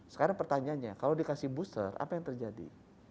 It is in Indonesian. sekarang pertanyaannya kalau dikasih booster apa yang terjadi